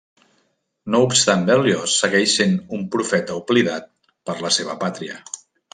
No obstant Berlioz segueix sent un profeta oblidat per la seva pàtria.